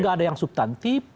gak ada yang subtantif